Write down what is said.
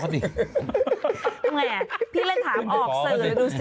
เป็นไงพี่เลยถามออกเสริมดูสิ